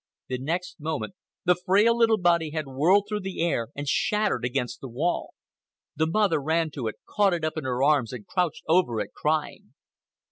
The next moment the frail little body had whirled through the air and shattered against the wall. The mother ran to it, caught it up in her arms, and crouched over it crying.